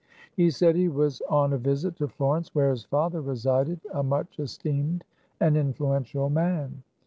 He said he was on a visit to Florence, where his father resided, a much esteemed and influential man.